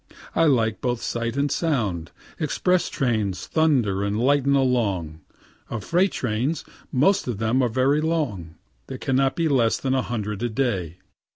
I like both sight and sound. Express trains thunder and lighten along; of freight trains, most of them very long, there cannot be less than a hundred a day.